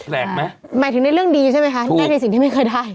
แปลกไหมหมายถึงในเรื่องดีใช่ไหมคะนั่นในสิ่งที่ไม่เคยได้